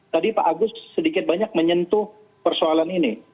tadi pak agus sedikit banyak menyentuh persoalan ini